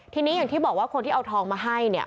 ทีนี้อย่างที่บอกว่าคนที่เอาทองมาให้เนี่ย